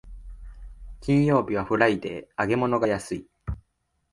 金曜日はフライデー、揚げ物が安い